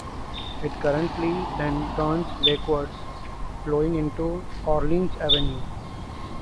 It currently then turns lakewards, flowing into Orleans Avenue.